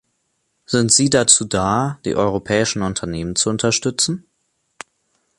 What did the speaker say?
Sind sie dazu da, die europäischen Unternehmen zu unterstützen?